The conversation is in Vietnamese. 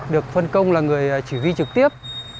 được phân công là người chỉ huy trực tiếp